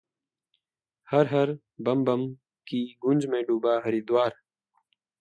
‘हर-हर, बम-बम’ की गूंज में डूबा हरिद्वार